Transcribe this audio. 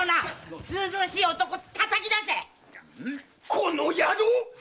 この野郎！